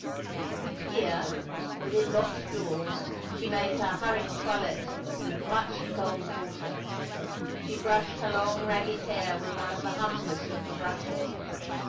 Here, within locked doors, she made her hurried toilet, with much cold water. She brushed her long, ragged hair with one of the humblest of the brushes.